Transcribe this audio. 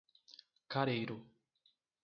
Careiro